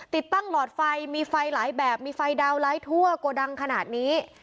ติดตั้งหลอดไฟมีไฟหลายแบบมีไฟดาวนไลท์ทั่วโกดังขนาดนี้